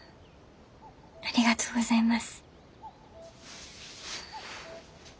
ありがとうございます。